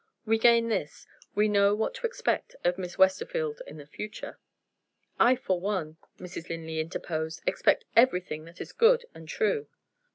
We gain this: we know what to expect of Miss Westerfield in the future." "I for one," Mrs. Linley interposed, "expect everything that is good and true."